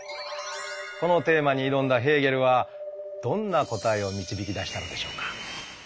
このテーマに挑んだヘーゲルはどんな答えを導き出したのでしょうか？